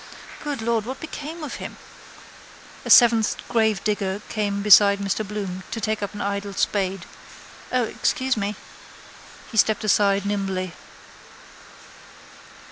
Good Lord, what became of him? A seventh gravedigger came beside Mr Bloom to take up an idle spade. —O, excuse me! He stepped aside nimbly.